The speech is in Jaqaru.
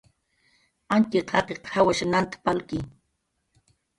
Antxiq jaqiq jawash nant palki